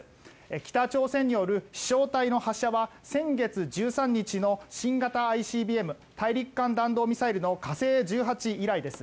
北朝鮮による飛翔体の発射は先月１３日の新型ＩＣＢＭ・大陸間弾道ミサイルの火星１８以来です。